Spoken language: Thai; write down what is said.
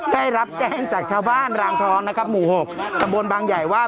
ได้รับแจ้งจากชาวบ้านรางทองหมู่หกสมบลบางใหญ่ว่า